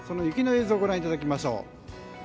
雪の映像をご覧いただきましょう。